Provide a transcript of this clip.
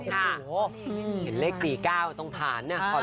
เห็นเลขตี๙ตรงผ่านเนี่ย